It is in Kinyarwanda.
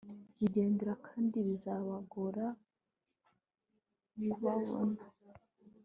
bigendera kandi bizabagora kubabona